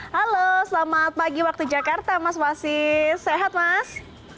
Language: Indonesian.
halo selamat pagi waktu jakarta mas wasis sehat mas